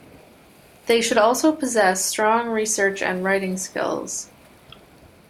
They should also possess strong research and writing skills.